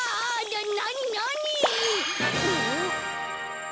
ななになに？